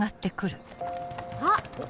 あっ！